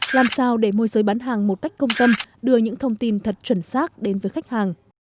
làm sao để môi giới bán hàng một cách công tâm đưa những thông tin thật chuẩn xác đến với khách hàng